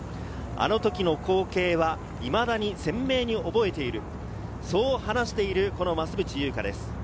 あの時の光景はいまだに鮮明に覚えている、そう話している増渕祐香です。